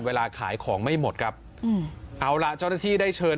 เวลาขายของไม่หมดครับเอาล่ะเจ้าหน้าที่ได้เชิญ